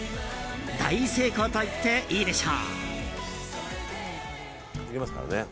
大成功と言っていいでしょう。